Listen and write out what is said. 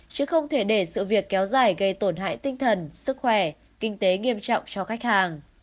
chứ không thể để sự việc kéo dài gây tổn hại tinh thần sức khỏe kinh tế nghiêm trọng cho khách hàng